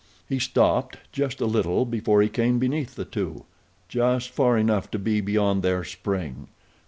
He stopped just a little before he came beneath the two—just far enough to be beyond their spring.